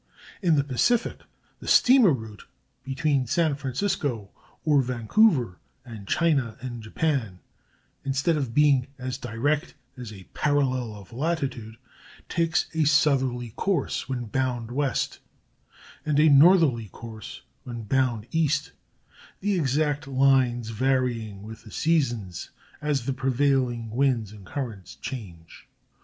In the Pacific, the steamer route between San Francisco or Vancouver and China and Japan, instead of being as direct as a parallel of latitude, takes a southerly course when bound west, and a northerly course when bound east, the exact lines varying with the seasons as the prevailing winds and currents change.